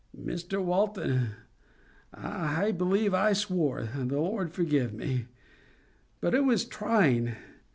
Mr Walton, I believe I swore—the Lord forgive me!—but it was trying.